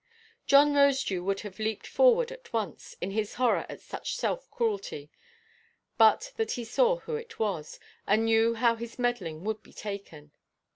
John Rosedew would have leaped forward at once, in his horror at such self–cruelty, but that he saw who it was, and knew how his meddling would be taken.